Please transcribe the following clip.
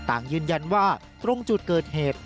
ต่างยืนยันว่าตรงจุดเกิดเหตุ